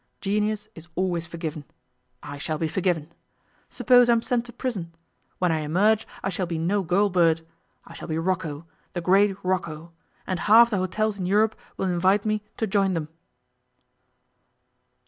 Genius is always forgiven. I shall be forgiven. Suppose I am sent to prison. When I emerge I shall be no gaol bird. I shall be Rocco the great Rocco. And half the hotels in Europe will invite me to join them.